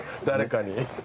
誰かに。